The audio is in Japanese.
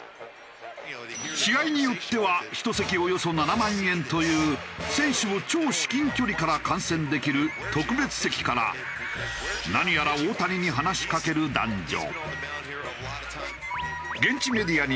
試合によっては１席およそ７万円という選手を超至近距離から観戦できる特別席から何やら実はこの男性。